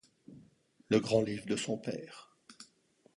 Le grand livre de son père.